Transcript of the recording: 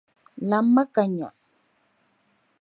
Lamm’ ma ka n nya!